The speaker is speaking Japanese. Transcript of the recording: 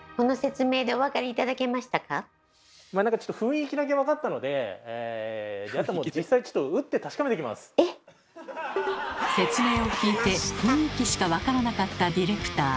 まあなんかちょっと説明を聞いて雰囲気しか分からなかったディレクター。